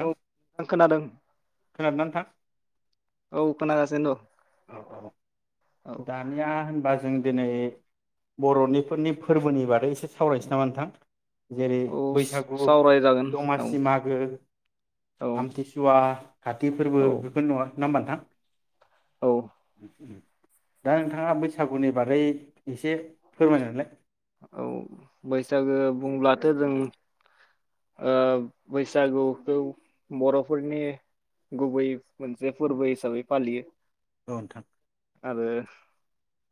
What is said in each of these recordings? औ आं खोनादों खोनादों ना नोंथां औ खोनागासिनो दन औ औ दानिया होनबा जों दिनै बरनिफोरनि फोरबोनि बादै एसे सावरायसै नामा नोंथां जेरै औ बैसागु सावरायजागोन औ दमासि मागो औ आमथिसुवा खाथि फोरबो औ बेफोरखौ नङा नङा होमबा नोंथां औ दा नोंथाङा बैसागुनि बागै एसे फोरमाय नालाय औ बैसागो बुंब्लाथ जों बैसागुखौ बरफोरनि गुबै मोनसे फोरबो हिसाबै फालियो औ नोंथां आरो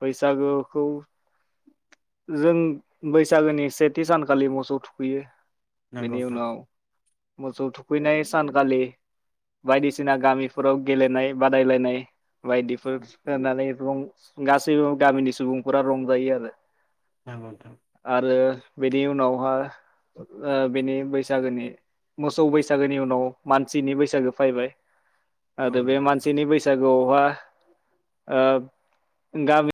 बैसागोखौ जों बैसागोनि सेथि सानखालि मोसौ थुखैयो नंगौ बेनि उ नोंथां नाव मोसौ थुखैनाय सानखालि बायदिसिना गामिफोराव गेलेनाय बादायलायनाय बायदिफोर सिखारनानै रं गासैबो गामिनि सुबुंफोरा रंजायो आरो नंगौ नोंथां आरो। बेनि उनावहा ओ बिनि बैसागोनि मोसौ बैसागोनि उनाव मानसिनि बैसागो फैबाय। आदो औ बे नंगौ नोंथां मानसिनि बैसागु। बा ओ गामि।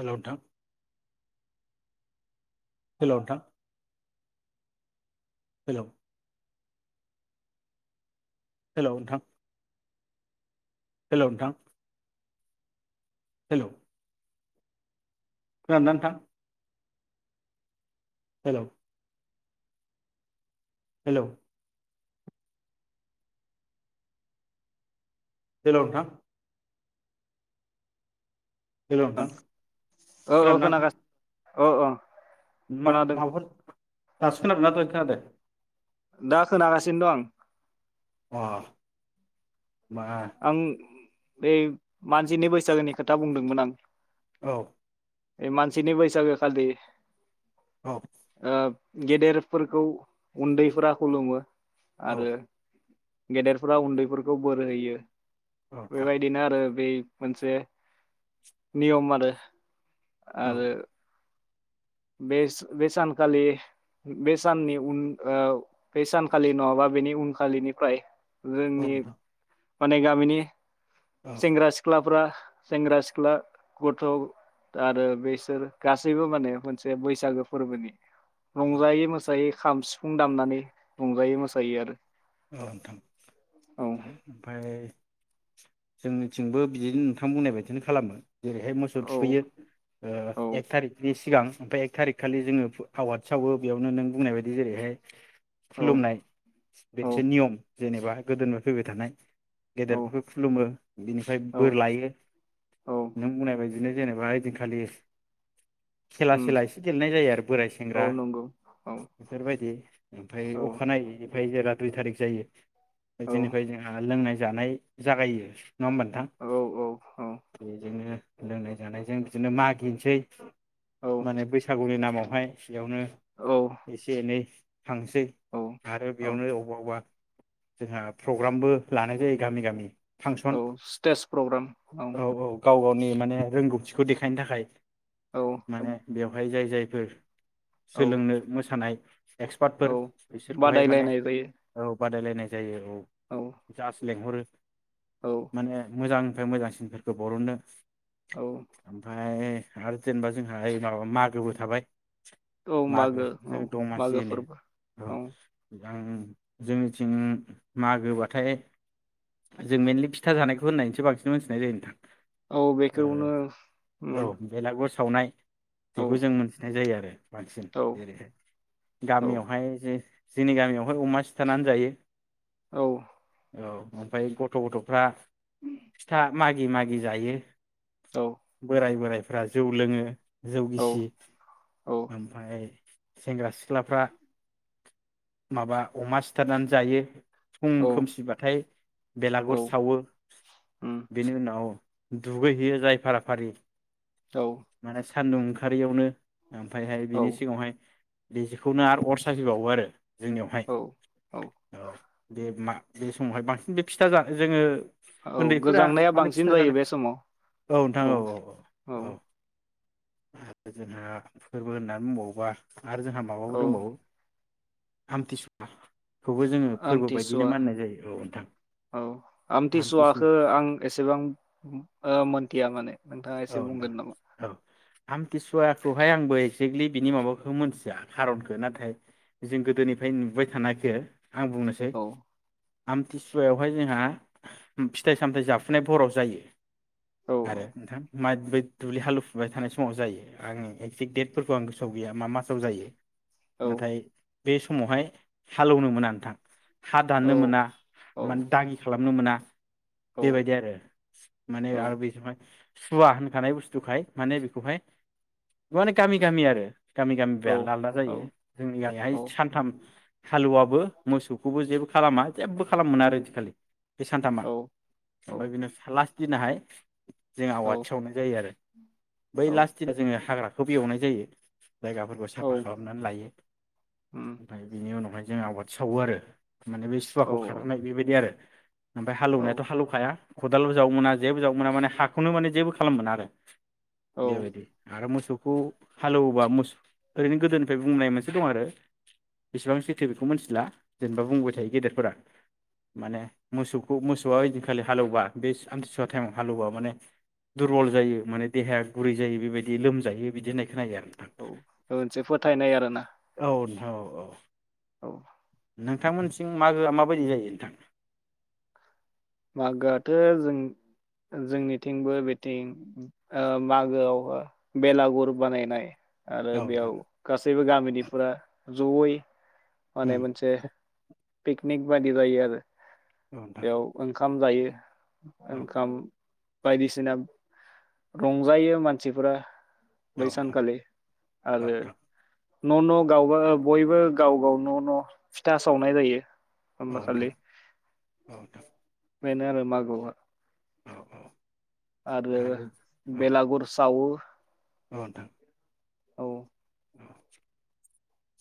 हेलौ नोंथां। हेलौ नोंथां। हेलौ। हेलौ नोंथां। हेलौ नोंथां। हेलौ। खोनादोंना नोंथां। हेलौ। हेलौ। हेलौ नोंथां। हेल' नोंथां औ औ खोनादोंना नोंथां खोनागा औ ओ। मा माबाफोर। दासो खोनादोंना दहाय खोनादों। दा खोनागासिनो दं। अ। बा। आं बे मानसिनि बैसागोनि खोथा बुंदोंमोन आं। औ। ओइ मानसिनि बैसागोखालि। औ ओ। गेदेरफोरखौ उन्दैफोरा खुलुमो। औ आरो। गेदेरफोरा उन्दैफोरखौ बोर होयो। औ नोंथां बेबायदिनो आरो बे। मोनसे नियम आरो। औ आरो। बे बे सानखालि बे साननि उन ओ बे सानखालि नङाबा बेनि उनखालिनिफ्राय। औ जोंनि। नोंथां माने गामिनि। औ सेंग्रा सिख्लाफ्रा। सेंग्रा सिख्ला गथ आरो बेसोर गासैबो माने मोन बे बैसागो फोरबोनि औ रंजायो मोसायो। खाम सिफुं दामनानै रंजायो मोसायो आरो। औ नोंथां औ ओमफाय जोंनिथिंबो बिदिनो नोंथां बुंनाय बायदिनो खालामो। जेरैहाय मोसौ औ थुखैयो ओ एक औ थारिकनि सि सिगां ओमफाय एक थारिकखालि जोंङो फु आवाथि सावो बेयावनो नों बुंनाय बायदि जेरैहाय। औ खुलुमनाय औ मोनसे नियम जेनेबा गोदोनिफ्राय फैबाय थानाय। औ गेदेरफोर खुलुमो बिनिफ्राय औ बोर लायो औ नों बुंनाय बायदि बिदिनो जेनेबा ओइदिनखालि खेला उम सेला एसे गेलेनाय जायो आरो बोराय औ सेंग्रा नंगौ औ बेफोरबायदि। ओमफाय औ अखानायैनिफ्राय जेला दुइ थारिख जायो। औ ओइदिनिफ्राय जोंहा लोंनाय जानाय जागायो। नङा होमबा नोंथां औ बेजोंनो लोंनाय जानायजों बिदिनो मागिनसै। औ माने बैसागुनि नामाव। ओमफाय बेयावनो औ एसे एनै थांसै औ आरो औ बेयावनो जोंहा प्रग्रामबो लानाय जायो गामि गामि। फांसन औ स्टेज प्रग्राम औ। गाव गावनि माने रोंगौथिखौ देखायनो थाखाय। औ माने बेवहाय जाय जायफोर औ सोलोंनो मोसानाय औ एक्सपार्टफोर बिसोरखौहाय माने बादायलायनाय जायो औ बादायलायनाय जायो। औ। जास्ट लेंहरो। औ माने मोजां ओमफाय मोजांसिनफोरखौ बरननो। औ। ओमफ्राय आरो जेनेबा जोंहा ओइ माबा मागोबो थाबाय। औ मागो औ मागो फोरबो औ। दां जोंनिथिं मागोबाथाय जों मेनलि फिथा जानायखौ होननानैसो बांसिन मोनथिनाय जायो नोंथां। औ बेखौनो उम ओ औ बेलागुर सावनाय र् औ बेखौ जों मोनथिनाय जायो आरो। बांसिन औ जेरैहाय औ गामियावहाय जे जोंनि गामियावहाय अमा सि सिथारनानै जायो। औ। औ ओमफ्राय गथ' गथफ्रा फिथा मागि मागि जायो। औ बोराय बोराय फोरा जौ लोङो। जौ गिसि औ औ ओमफाय सेंग्रा सिख्लाफ्रा माबा अमा सिथारनानै जायो फुं औ खोमसिबाथाय बेलागुर सावो उम बेनि उनाव दुगैहैयो जाय फाराफारि। औ। माने सान्दुं ओंखारियावनो ओमफ्रायहाय औ बिनि सिगाङावहाय बेजेखौनो आरो अर साफैबावो आरो। जोंनियावहाय औ औ औ बे मा बे समावहाय बांसिन बे फिथा जानो जोङो औ उन्दैफोरा गोजांनाया माने बांसिन फिथा जायो जानाय बे समाव औ औ। आरो जोंहा फोरबो होननानै बुंबावोबा आरो जोंहा माबाबो औ दंबावो। आमतिसुवा आमतिसुवा औ नोंथां औ आमथिसु आमतिसुवाखो आं एसेबां मोनथिया माने। नोंथाङा एसे बुंगोन नामा? आमतिसुवाखौहाय आंबो एक्जेक्टलि बिनि माबाखौ मोनथिया खारनखो नाथाय जों गोदोनिफ्राय नुबाय थानायखो आं बुंनोसै औ आमथिसुवायावहाय जोंहा फिथाइ सामथायाइ जाफुनाय भराव जायो। औ आरो नोंथां। मातबै दुब्लि हालुफुबाय थानाय समाव जायो आं एकजेक डेटफोरखौ आं गोसोआ गैया मा मासाव जायो। औ नाथाय बे समावहाय हालौनो मोना नोंथां हा औ दाननो मोना औ मान दागि खालाम नुनो मोना औ बेबायदि आरो माने औ आरो बे जुमाय सुवा होनखानाय बुस्थुहाय माने बेखौहाय माने गामि गामि आरो गामि गामि बो औ आलदा आलदा जायो जोंनि गामिहाय औ सानथाम हालुवाबबो मोसौखौबो जेबो खालामा जेबबो खालमोना आरो यैदिनखालि। बे सानथामा ओमफाय औ बेना सालास दिनाहाय जों औ आवाथिसावनाय जायो आरो। बै औ लास्ट दिना जोङो हाग्रा फफि एवनाय जायो। जायगाफोरखौ औ साफा खालामनानै लायो उम ओमफाय बिनि उनावहाय जों आवथि सावो आरो। माने बे औ सुवाखौ खारहोनाय बेबायदि आरो। ओमफाय औ हालौवनायाथ' हालौखाया। खदालबो जावनो मोना जेबो जावनो मोना माने हा खौनो माने जेबो खालामोन आरो। औ बेबायदि आरो मोसौ खौ हालेवोबा मोस ओरैनो गोदोनिफ्राय बुंनाय मोनसे दं आरो बेसेबां सैथो बेखौ मोनथिला जेनेबा बुंबाय थायो गेदेरफोरा माने मोसौखौ मोसौआ ओइदिनखालि हालौबा बे आमथिसुवा टाइमाव हालेवबा माने दुरबल जायो माने देहाया गुरै जायो बेबायदि लोमजायो बिदि होननाय खोनायो आरो। औ ओनसो फोथायनाय आरोना। औ नोंथां औ औ। औ। नोंथांमोननिथिं मागोआ माबायदि जायो नोंथां? मागोआथो जों जोंनिथिंबो बेथिं ओ मागोआव ओ बेलागुर बानायनाय आरो औ बेयाव नोंथां गासैबो गामिनिफोरा जयै उम माने मोनसे पिकनिक बादि जायो आरो। अ नोंथां। बेयाव ओंखाम जायो। औ ओंखाम बायदिसिना रंजायो मानसिफोरा औ बैसान नोंथां औ नोंथां औ खालि आरो न न गावबा गाव बयबो गाव गाव न न फिथा सावनाय जायो। नोंथां औ ओमबाखालि नोंथां बेनो आरो मागोवहा औ औ आरो बेलागुर सावो। अ नोंथां। औ अ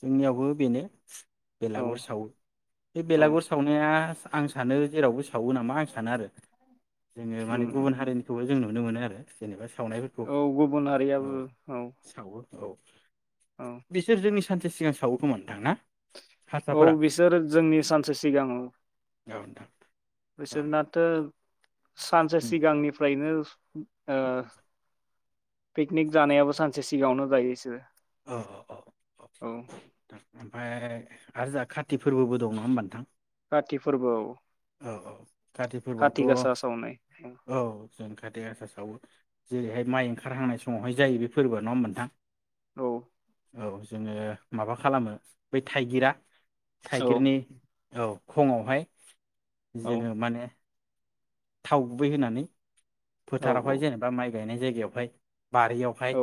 जोंनियावबो बेनो औ बेलागुर सावो बे औ बेलागुर सावनाया आं सानो जेरावबो सावो नामा आं सानो आरो जोङो माने गुबुन उम हारिनिखौबो जों नुनो मोनो आरो। जेनेबा सावनायफोरखौ औ गुबुन औ हारियाबो औ। सावो औ औ बिसोर जोंनि सानसे सिगां सावो खोमा नोंथां ना? औ हारसाफोरा बिसोर जोंनि सानसे सिगां औ औ नोंथां औ बिसोरनाथ सानसे उम सिगांनिफ्रायनो [inaudible] ओ पिकनिक जानायाबो सानसे सिगाङावनो जायो इसोरो। औ औ औ औ। नोंथां ओमफ्राय आरो जोंहा काति फोरबोबो दं नङा होमबा नोंथां? काति फोरबोआव औ औ काति फोरबोआवथ' सावनाय औ जों कातिगासा सावो जेरैहाय माइ ओंखारहांनाय समावहाय जायो बे फोरबोआ नङा होमबा नोंथां? औ। औ जोङो माबा खालामो बै थाइगिरा औ थाइगिर नि औ। खङावहाय औ जोङो माने थाव गुबै होनानै औ औ फोथारावहाय जेनेबा माइ गायनाय जायगायावहाय बारियावहाय औ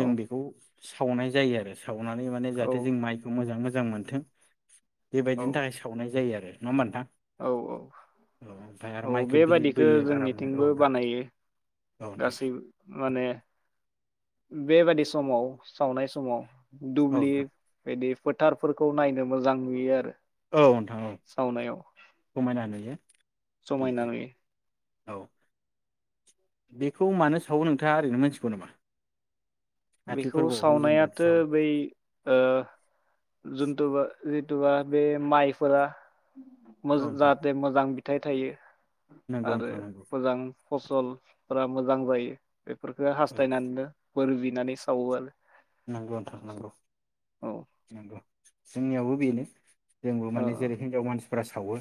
औ बेखौ सावनाय जायो आरो। सावनानै माने जाहाथे औ जों माइखौ मोजां मोजां मोजां मोनथों। बेबायदिनि थाखाय सावनाय जायो आरो। नङा होमबा नोंथा। औ औ औ माइखौ बिलिद बेबादिखौ बोयो आरामनो औ जोंनिथिंबो नोंथां बानाय नायो औ नोंथां गासै माने बेबादि समाव सावनाय समाव औ दुबलि नोंथां बेदि फोथारफोरखौ नायनो मोजां नुयो आरो। औ नोंथां औ सावनायाव समायना नुयो उम समायना उम। नुयो औ बेखौ मानो सावो नोंथाङा ओरैनो मिथिगौ नामा? काति बेखौ फोरबोआवहाय जों बाथि सावनायाथ सावो बै औ जुन्थुबा जितुआ बे माइफोरा औ मज नोंथां जाहाथे मोजां फिथाइ थायो। नंगौ आरो नोंथां नंगौ मोजां फसलफोरा मोजां जायो। बेफोरखो औ हास्थायनानैनो बोर बिनानै सावो आरो। नंगौ नोंथां नंगौ औ नंगौ। जोंनियावबो बेनो। जोंबो माने जेरै हिनजाव मानसि फोरा सावो।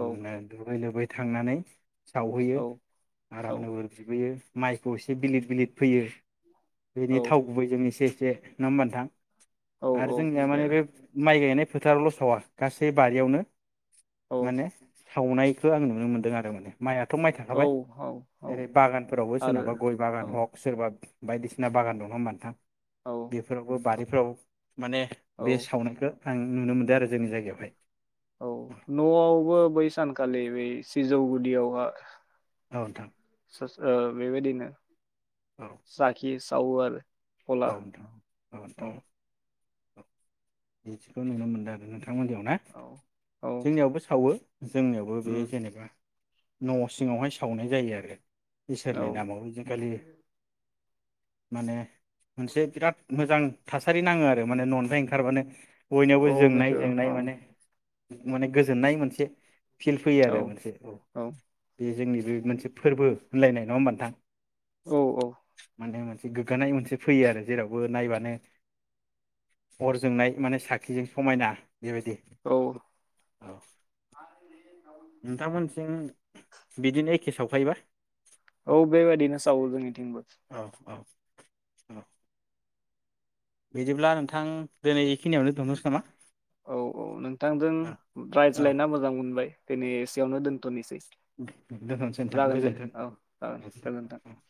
ओ दुगै लोबै थांनानै सावहैयो औ औ आरामनो बोर बिबोयो माइखौ एसे बिलिद बिलिद फैयो। औ बेनि थाव जों एसे एसे नङा होनबा नोंथां? औ आरो औ जोंनिया माने बे माइ गायनाय फोथारावल' सावा गासै बारियावनो औ माने सावनायखौ आं नुनो मोन्दों आरो माने। माइआथ' माइ औ थाखाबाय औ औ ओरै बागानफोरावबो आरो सोरनाबा गय बागान औ हक सोरबा बायदिसिना बागान दं नङा होनबा नोंथां? औ बेफोरावबो बारि औ। माने औ बे सावनायखो आं नुनो मोनदों आरो जोंनि जायगायावहाय। औ न'आवबो बै सानखालि बै सिजौ गुदियावहा औ नोंथां। [unintelligible] ओ बेबायदिनो औ साखि सा सावो आरो। औ गला नोंथां औ नोंथां। बिदिखौ नुनो मोनदो आरो नोंथां मोननियाव ना औ औ जोंनियाबो सावो। जोंनियावबो बे उम जेनेबा न' सिङावहाय सावनाय जायो आरो। औ इसोरनि नामाव ओइदिनखालि माने मोनसे बिराद मोजां थासारि नाङो आरो माने न'निफ्राय ओंखारबानो। बयनियावबो औ जोंनाय बेखौ जोंनाय औ माने माने गोजोननाय मोनसे फिल फैयो औ आरो मोनसे औ जे जोंनि बे मोनसे फोरबो होनलायनाय नङा होनबा नोंथां। औ औ। माने मोनसे गोग्गानाय मोनसे फैयो आरो जेरावबो नायबानो जोंनाय माने साखिजों समायना बेबायदि औ औ। नोंथांमोनथिं बिदिनो एखे सावखायोबा? औ बे बायदिनो सावो जोंनिथिं औ औ। औ। बिदिब्ला नोंथां दिनै एखिनियावनो दोनथ'सै नामा? औ औ नोंथांजों औ रायज्लायना मोजां मोनबाय। दिनै एसेयावनो दोनथ'निसै। दोनथ'नसै नोंथां जागोन गोजोन्थों। गोजोनथों।